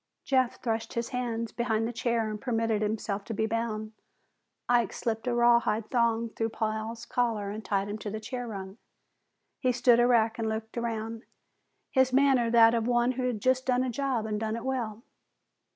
Jeff thrust his hands behind the chair and permitted himself to be bound. Ike slipped a rawhide thong through Pal's collar and tied him to the chair rung. He stood erect and looked around, his manner that of one who has just done a job and done it well.